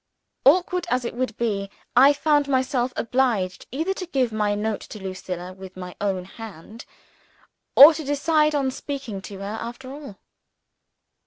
Awkward as it would be, I found myself obliged, either to give my note to Lucilla with my own hand, or to decide on speaking to her, after all.